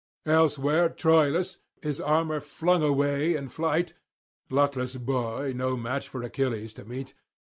Elsewhere Troïlus, his armour flung away in flight luckless boy, no match for Achilles to meet!